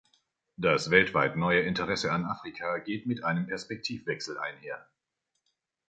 Das weltweit neue Interesse an Afrika geht mit einem Perspektivwechsel einher.